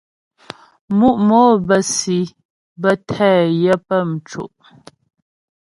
Mǔ' mò bə́ si bə́ tɛ yə pə́ mco'.